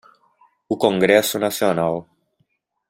O congresso nacional.